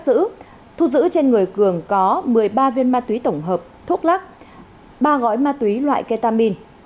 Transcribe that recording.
bắt giữ thu giữ trên người cường có một mươi ba viên ma túy tổng hợp thuốc lắc ba gói ma túy loại ketamin